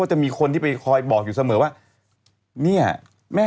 ใช่ไหม